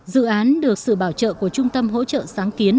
dự án được sự bảo trợ của trung tâm hỗ trợ sáng kiến